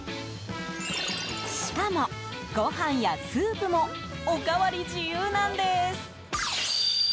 しかも、ご飯やスープもおかわり自由なんです。